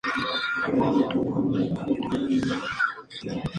En mal estado, el buque fue utilizado como prisión flotante.